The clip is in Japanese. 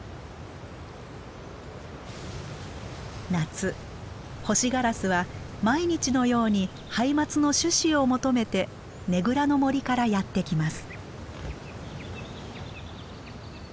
夏ホシガラスは毎日のようにハイマツの種子を求めてねぐらの森からやって来ます。